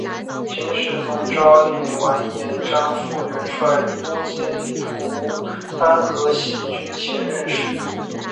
金世宗诏令完颜璋赴元帅都监徒单合喜军前任使。